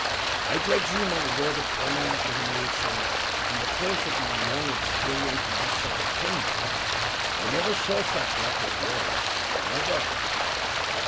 I pledge you my word of honor, as an old soldier, in the course of my long experience in this sort of thing, I never saw such luck as yours — never!